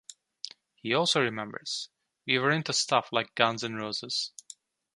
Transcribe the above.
He also remembers: We were into stuff like Guns N' Roses.